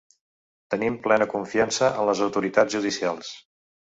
Tenim plena confiança en les autoritats judicials.